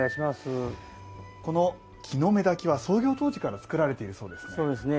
この木の芽煮は創業当時から作られているそうですね。